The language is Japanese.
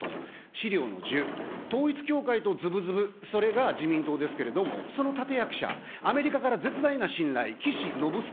資料の１０、統一教会とずぶずぶ、それが自民党ですけれども、その立て役者、アメリカから絶大な信頼、岸信介。